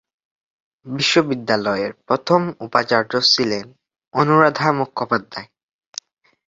বিশ্ববিদ্যালয়ের প্রথম উপাচার্য ছিলেন অনুরাধা মুখোপাধ্যায়।